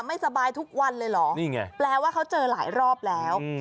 ไม่สบายทุกวันเลยเหรอนี่ไงแปลว่าเขาเจอหลายรอบแล้ว